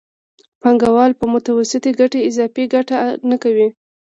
پانګوال په متوسطې ګټې اضافي ګټه نه کوي